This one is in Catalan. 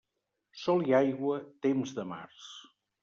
Sol i aigua, temps de març.